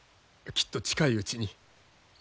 きっと近いうちに。